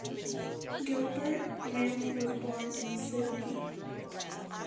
Gilbert Mant was born in Sydney.